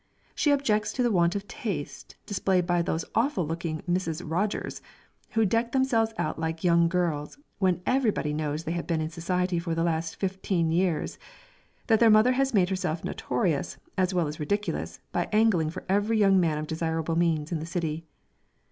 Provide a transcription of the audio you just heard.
She objects to the want of taste displayed by those awful looking Misses Rogers, who deck themselves out like young girls, when every body knows they have been in society for the last fifteen years that their mother has made herself notorious, as well as ridiculous, by angling for every young man of desirable means in the city.